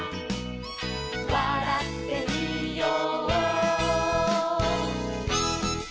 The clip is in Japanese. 「わらっていよう」